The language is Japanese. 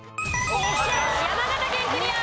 山形県クリア！